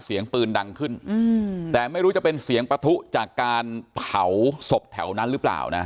เสียงปืนดังขึ้นแต่ไม่รู้จะเป็นเสียงปะทุจากการเผาศพแถวนั้นหรือเปล่านะ